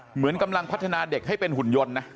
เหมือนกำลังพัฒนาเด็กให้เป็นหุ่นยนต์นะ